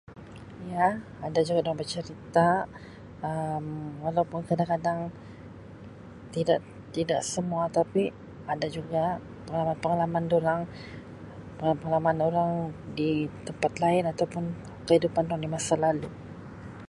Ya ada juga dorang bercerita Um walaupun kadang kadang tidak tidak semua tapi ada juga pengalaman pengalaman dorang pengalaman pengalaman dorang di tempat lain atau pun kehidupan dorang di masa lalu.